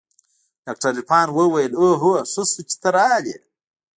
ډاکتر عرفان وويل اوهو ښه شو چې ته راغلې.